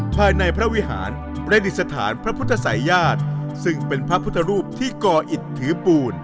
ภายในพระวิหารประดิษฐานพระพุทธศัยญาติซึ่งเป็นพระพุทธรูปที่ก่ออิตถือปูน